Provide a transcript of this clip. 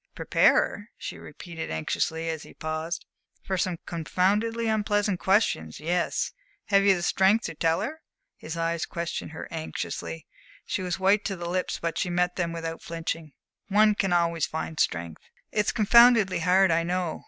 "Prepare her?" she repeated anxiously, as he paused. "For some confoundedly unpleasant questions! Yes. Have you the strength to tell her?" His eyes questioned her anxiously. She was white to the lips, but she met them without flinching. "One can always find strength." "It's confoundedly hard, I know."